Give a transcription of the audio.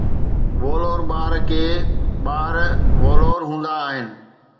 وولور ٻار ڪي ٻار ولور هوندا آهن.